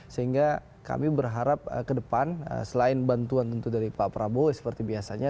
sehingga kami berharap ke depan selain bantuan tentu dari pak prabowo seperti biasanya